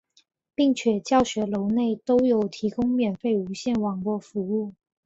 并且教学楼内都有提供免费无线网络服务。